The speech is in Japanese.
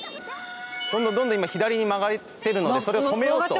「どんどん今左に曲がってるのでそれを止めようと」